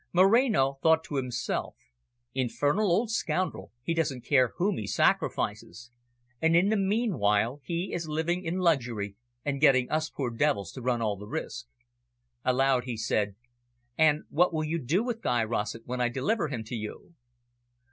Moreno thought to himself, "Infernal old scoundrel, he doesn't care whom he sacrifices. And in the meanwhile he is living in luxury, and getting us poor devils to run all the risk." Aloud he said: "And what will you do with Guy Rossett when I deliver him to you?"